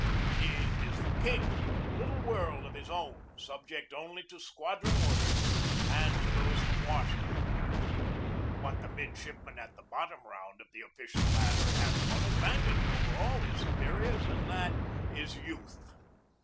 He is the king of a little world of his own, subject only to squadron orders and to those from Washington. THE MIDSHIPMAN CRUISE 25 But the midshipman at the bottom round of the official ladder has one advantage over all his supe riors, and that is youth.